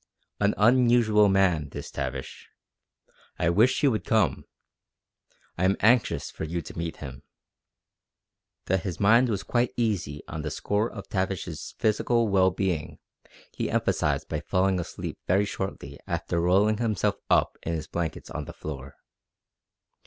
An unusual man, this Tavish. I wish he would come. I am anxious for you to meet him." That his mind was quite easy on the score of Tavish's physical well being he emphasized by falling asleep very shortly after rolling himself up in his blankets on the floor.